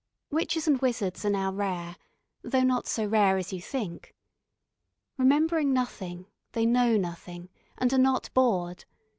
Witches and wizards are now rare, though not so rare as you think. Remembering nothing, they know nothing, and are not bored.